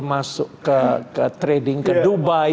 masuk ke trading ke dubai